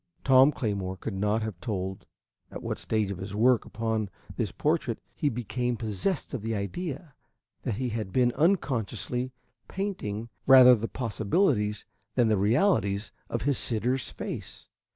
Tom Claymore could not have told at what stage of his work upon this portrait he became possessed of the idea that he had been unconsciously painting rather the possibilities than the realities of his sitter's face.